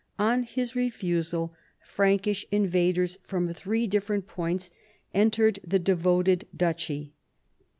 On his refusal, Prankish invaders from three different points entered the devoted duchy.